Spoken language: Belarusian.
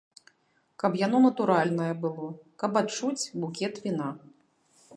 Каб яно натуральнае было, каб адчуць букет віна.